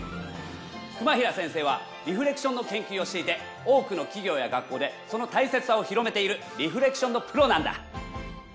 熊平先生はリフレクションの研究をしていて多くの企業や学校でその大切さを広めているリフレクションのプロなんだ。